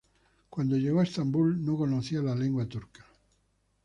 Cuando llegó a Estambul, no conocía la lengua turca.